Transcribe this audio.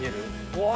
うわ。